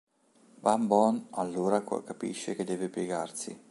Van Bohm, allora, capisce che deve piegarsi.